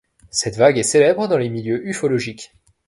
Cette vague est célèbre dans les milieux ufologiques.